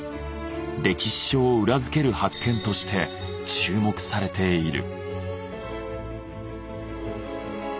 歴史書を裏付ける発見として注目されている。